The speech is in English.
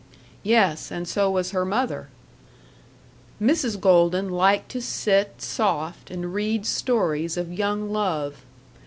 Yes, and so was her mother! Mrs. Golden liked to sit soft and read stories of young love.